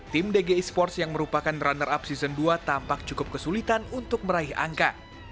tim dg esports yang merupakan runner up season dua tampak cukup kesulitan untuk meraih angka